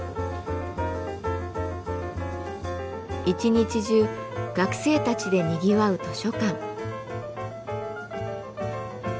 一日中学生たちでにぎわう図書館。